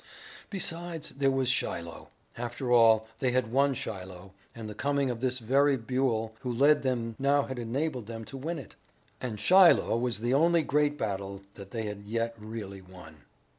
Besides, there was Shiloh. After all, they had won Shiloh, and the coming of this very Buell who led them now had enabled them to win it. And Shiloh was the only great battle that they had yet really won.